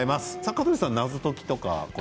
香取さん謎解きとかは？